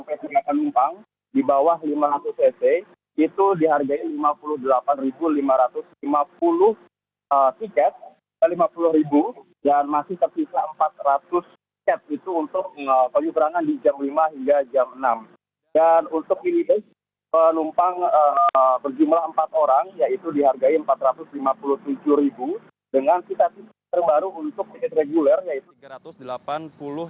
dan untuk penumpang berjumlah empat orang yaitu dihargai rp empat ratus lima puluh tujuh dengan titasi terbaru untuk tiket reguler